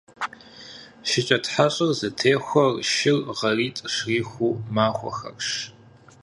ШыкӀэтхьэщӀыр зытехуэр шыр гъэритӀ щрикъу махуэхэрщ.